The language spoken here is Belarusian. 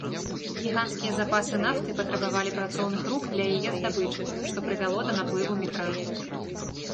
Гіганцкія запасы нафты патрабавалі працоўных рук для яе здабычы, што прывяло да наплыву мігрантаў.